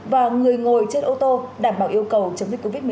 và người ngồi trên ô tô đảm bảo yêu cầu chống dịch covid một mươi